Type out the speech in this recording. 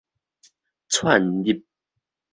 竄入